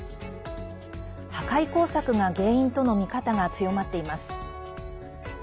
破壊工作が原因との見方が強まっています。